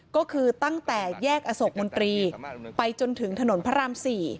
ก็คือตั้งแต่แยกอโศกมนตรีไปจนถึงถนนพระราม๔